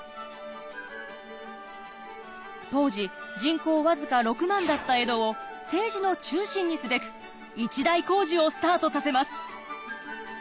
当時人口僅か６万だった江戸を政治の中心にすべく一大工事をスタートさせます。